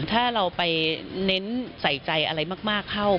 ถ้าเราไปเน้นใส่ใจอะไรมากเข้า